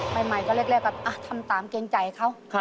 ใหม่ก็แรกก็ทำตามเกรงใจเขา